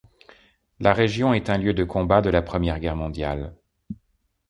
La région est un lieu de combats de la Première Guerre mondiale.